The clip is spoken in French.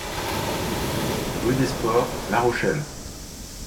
Rue DES SPORTS, La Rochelle